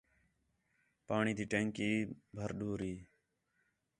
پاݨی تی ٹینکی بھر دُور ہِے